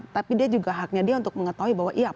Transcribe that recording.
tapi dia juga haknya dia untuk mengetahui bahwa iya